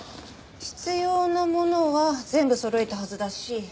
必要なものは全部そろえたはずだし。